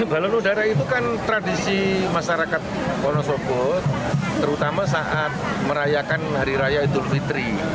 balon udara itu kan tradisi masyarakat wonosobo terutama saat merayakan hari raya idul fitri